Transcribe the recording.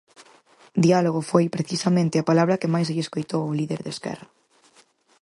Diálogo foi, precisamente, a palabra que máis se lle escoitou ao líder de Esquerra.